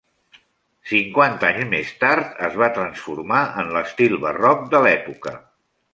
Cinquanta anys més tard, es va transformar en l'estil barroc de l'època.